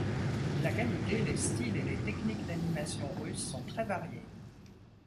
La qualité, les styles et les techniques d'animation russes sont très variés.